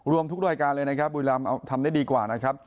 รวมทุกรายการเลยนะครับบุรีรำทำได้ดีกว่านะครับ